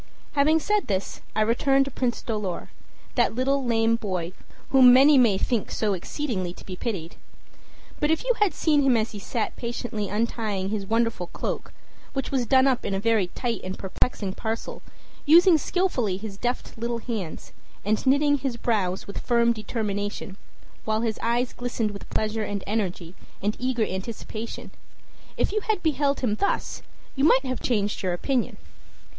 Having said this, I return to Prince Dolor, that little lame boy whom many may think so exceedingly to be pitied. But if you had seen him as he sat patiently untying his wonderful cloak, which was done up in a very tight and perplexing parcel, using skillfully his deft little hands, and knitting his brows with firm determination, while his eyes glistened with pleasure and energy and eager anticipation if you had beheld him thus, you might have changed your opinion.